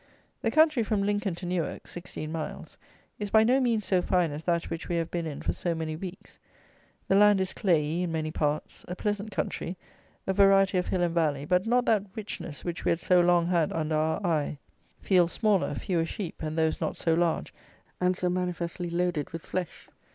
The country from Lincoln to Newark (sixteen miles) is by no means so fine as that which we have been in for so many weeks. The land is clayey in many parts. A pleasant country; a variety of hill and valley; but not that richness which we had so long had under our eye: fields smaller; fewer sheep, and those not so large, and so manifestly loaded with flesh.